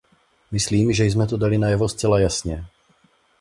Myslím, že jsme to dali najevo zcela jasně.